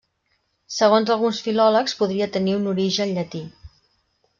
Segons alguns filòlegs podria tenir un origen llatí.